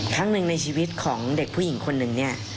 ครั้งหนึ่งในชีวิตของเด็กผู้หญิงคนหนึ่งเนี่ย